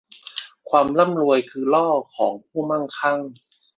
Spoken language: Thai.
ความร่ำรวยคือล่อของผู้มั่งคั่ง